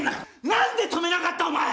なんで止めなかったお前！